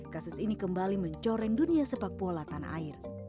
kasus ini kembali mencoreng dunia sepak bola tanah air